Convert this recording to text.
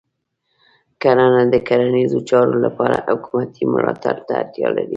کرنه د کرنیزو چارو لپاره حکومتې ملاتړ ته اړتیا لري.